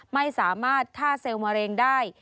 ไม่สามารถฆ่าเซลล์มะเร็งได้